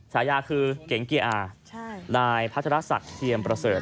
ฉายาคือเก๋งเกียร์อานายพัทรศักดิ์เทียมประเสริฐ